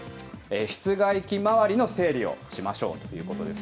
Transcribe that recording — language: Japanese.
室外機周りの整理をしましょうということです。